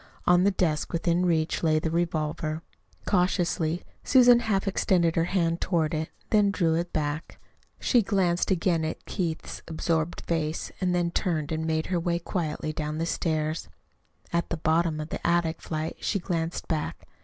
On the desk within reach lay the revolver. Cautiously Susan half extended her hand toward it, then drew it back. She glanced again at Keith's absorbed face, then turned and made her way quietly down the stairs. At the bottom of the attic flight she glanced back.